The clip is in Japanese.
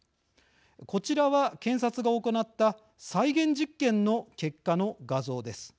こちらは検察が行った再現実験の結果の画像です。